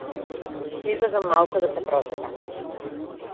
Ќе излезам малку да се прошетам.